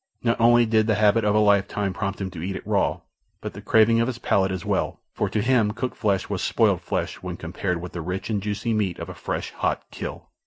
Not only did the habit of a lifetime prompt him to eat it raw, but the craving of his palate as well; for to him cooked flesh was spoiled flesh when compared with the rich and juicy meat of a fresh, hot kill.